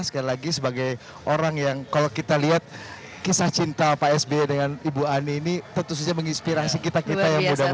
sekali lagi sebagai orang yang kalau kita lihat kisah cinta pak sby dengan ibu ani ini tentu saja menginspirasi kita kita ya mudah mudahan